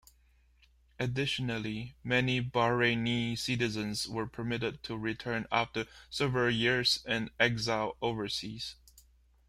Additionally, many Bahraini citizens were permitted to return after several years in exile overseas.